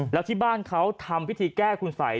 แล้วที่บ้านเขาทำพิธีแก้คุณสัย